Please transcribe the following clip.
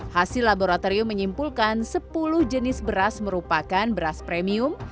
hasil laboratorium menyimpulkan sepuluh jenis beras merupakan beras premium